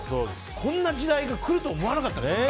こんな時代が来ると思わなかったよね。